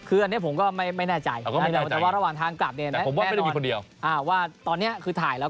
แล้วก็มีเขาคนเดียวหรือเปล่า